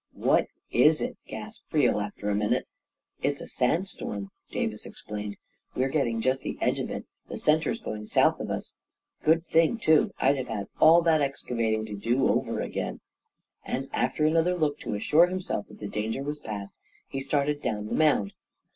11 What is it? " gasped Creel, after a moment. 14 It's a sand storm," Davis explained. " We're getting just the edge of it — the centre's going south of us. Good thing, too. I'd have had all that ex cavating to do over again !" and after another look to assure himself that the danger was past, he started down the mound.